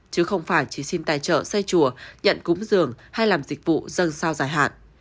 chứ không phải chỉ xin tài trợ xây chùa nhận cúng giường hay làm dịch vụ dần sau dài hạn